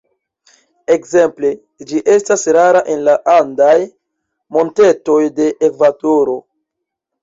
Ekzemple ĝi estas rara en la andaj montetoj de Ekvadoro.